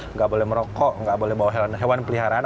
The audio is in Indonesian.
nggak boleh merokok nggak boleh bawa hewan peliharaan